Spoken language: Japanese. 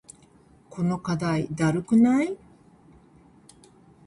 この課題だるくない？